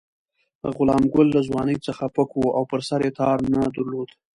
غلام ګل له ځوانۍ څخه پک وو او پر سر یې تار نه درلود.